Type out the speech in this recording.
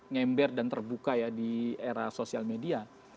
ngember dan terbuka ya di era sosial media